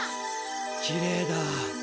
きれいだ。